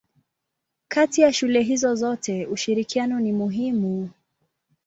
Kati ya shule hizo zote ushirikiano ni muhimu.